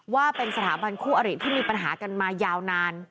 ว่าเป็นสถาบันคู่อริที่มีปัญหากันมายาวนาน